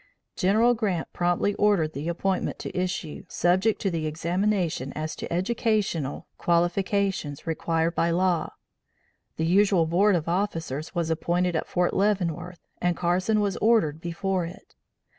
General Grant promptly ordered the appointment to issue, subject to the examination as to educational qualifications, required by the law. The usual board of officers was appointed at Fort Leavenworth and Carson was ordered before it.